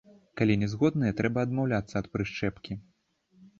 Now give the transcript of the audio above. Калі не згодныя, трэба адмаўляцца ад прышчэпкі.